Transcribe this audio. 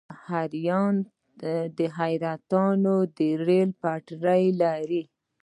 حیرتان د ریل پټلۍ لري